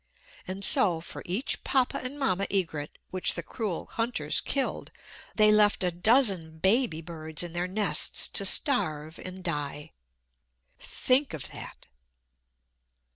And so, for each Papa and Mamma egret which the cruel hunters killed, they left a dozen baby birds in their nests to starve and die. Think of that!